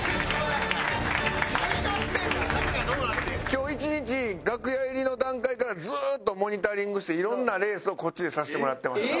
今日１日楽屋入りの段階からずっとモニタリングしていろんなレースをこっちでさせてもらってました。